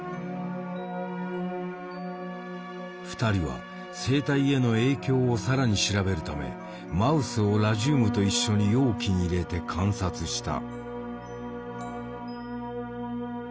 ２人は生体への影響を更に調べるためマウスをラジウムと一緒に容器に入れて観察した。